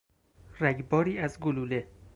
رگباری از گلوله